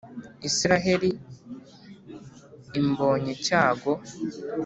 isiraheli imbonye cyago